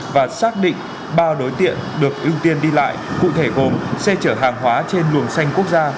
và xác định ba đối tượng được ưu tiên đi lại cụ thể gồm xe chở hàng hóa trên luồng xanh quốc gia